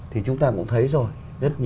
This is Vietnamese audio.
thì chúng ta cũng thấy rồi